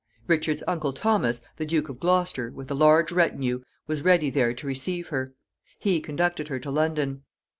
Richard's uncle Thomas, the Duke of Gloucester, with a large retinue, was ready there to receive her. He conducted her to London.